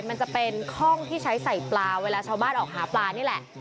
มันจะเป็นห้องที่ใช้ใส่ปลาเวลาชาวบ้านออกหาปลานี่แหละ